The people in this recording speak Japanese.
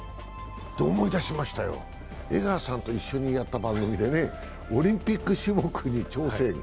で、思い出しましたよ、江川さんと一緒にやった番組でね、オリンピック種目に挑戦。